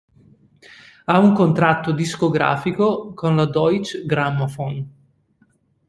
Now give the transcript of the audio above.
Ha un contratto discografico con la Deutsche Grammophon.